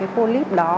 phô líp đó